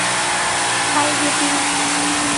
High, Beti.